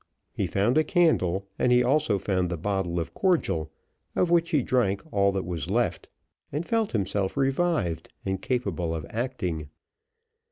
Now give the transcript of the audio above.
He found a candle, and he also found the bottle of cordial, of which he drank all that was left, and felt himself revived, and capable of acting.